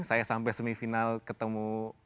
saya sampai semifinal ketemu